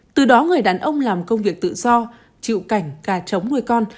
từ đó người đàn ông làm công việc tự do chịu cảnh cà trống nuôi con